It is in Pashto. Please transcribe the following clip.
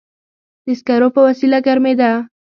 د سکرو په وسیله ګرمېده.